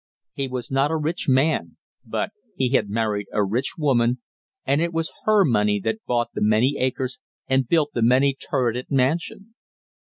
He was not a rich man, but he had married a rich woman, and it was her money that bought the many acres and built the many turreted mansion.